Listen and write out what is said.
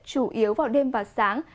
chủ yếu vào đêm và sáng